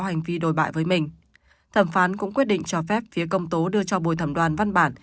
hành vi đồi bại với mình thẩm phán cũng quyết định cho phép phía công tố đưa cho bồi thẩm đoàn văn bản